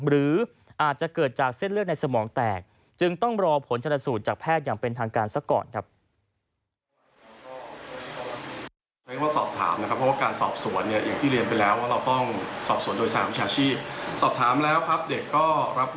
หรืออาจจะเกิดจากเส้นเลือดในสมองแตกจึงต้องรอผลชนสูตรจากแพทย์อย่างเป็นทางการซะก่อนครับ